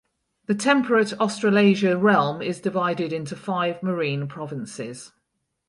The Temperate Australasia realm is divided into five marine provinces.